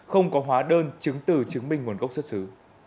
không có hóa đơn chứng từ chứng minh nguồn gốc xuất xứ